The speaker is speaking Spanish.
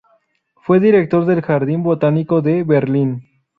Fue Director del Jardín Botánico de Berlín.